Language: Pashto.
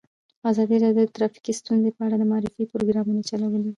ازادي راډیو د ټرافیکي ستونزې په اړه د معارفې پروګرامونه چلولي.